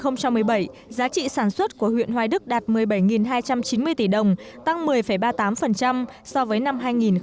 năm hai nghìn một mươi bảy giá trị sản xuất của huyện hoài đức đạt một mươi bảy hai trăm chín mươi tỷ đồng tăng một mươi ba mươi tám so với năm hai nghìn một mươi bảy